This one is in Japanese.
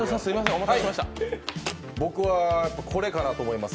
僕はこれかなと思います。